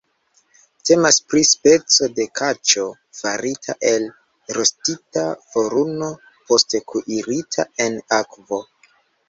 Temas pri speco de kaĉo, farita el rostita faruno, poste kuirita en akvo.